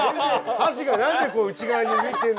箸が何でこう内側に向いてんの？